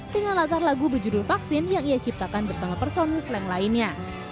dengan latar lagu berjudul vaksin yang ia ciptakan bersama personel slang lainnya